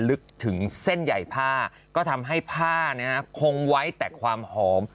ลึกถึงเส้นใหญ่ผ้าก็ทำให้ผ้าคงไว้แต่ความหอม